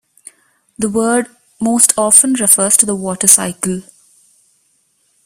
The word most often refers to the water cycle.